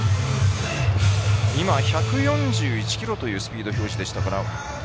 今、１４１キロというスピード表示でした。